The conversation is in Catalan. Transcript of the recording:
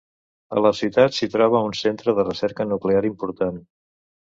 A la ciutat s'hi troba un centre de recerca nuclear important.